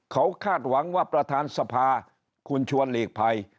เขาคาดหวังว่าประธานสภาคุณชวนหลีกภัย